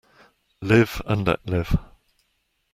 Live and let live.